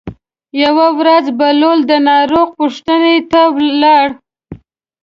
یوه ورځ بهلول د ناروغ پوښتنې ته لاړ.